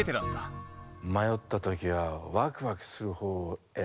迷った時はワクワクする方を選ぶんだよ。